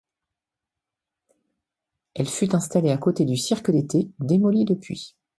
Elle fut installée à côté du Cirque d'été, démoli depuis.